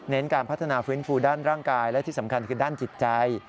การพัฒนาฟื้นฟูด้านร่างกายและที่สำคัญคือด้านจิตใจ